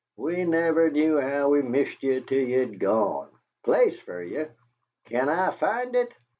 We never knew how we missed ye till ye'd gone! Place fer ye! Can I find it?